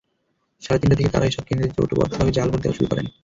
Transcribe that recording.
সাড়ে তিনটা থেকে তাঁরা এসব কেন্দ্রে জোটবদ্ধভাবে জাল ভোট দেওয়া শুরু করেন।